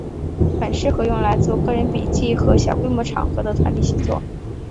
很适合用来做个人笔记和小规模场合的团体写作。